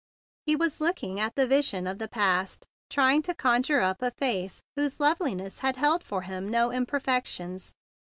He was looking at the vision of the past trying to conjure up a face whose loveliness had held for him no imperfections.